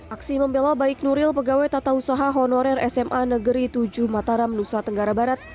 aksi membela baik nuril pegawai tata usaha honorer sma negeri tujuh mataram nusa tenggara barat